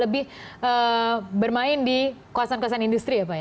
lebih bermain di kawasan kawasan industri ya pak ya